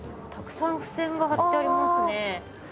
たくさん付箋が貼ってありますね。